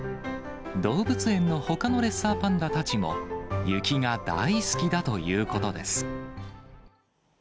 動物園のほかのレッサーパンダたちも、雪が大好きだということです。